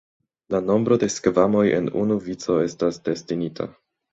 La nombro de skvamoj en unu vico estas destinita.